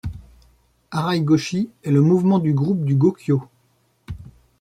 Harai-Goshi est le mouvement du groupe du gokyo.